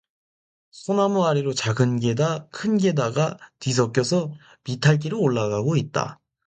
소나무 아래로 작은 게다 큰 게다가 뒤 섞여서 비탈길을 올라가고 있다.